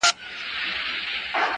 • هغه ځان ته نوی ژوند لټوي..